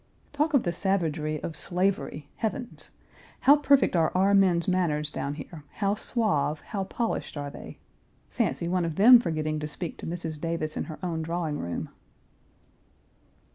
Talk of the savagery of slavery, heavens! How perfect are our men's manners down here, how suave, how polished are they. Fancy one of them forgetting to speak to Mrs. Davis in her own drawing room.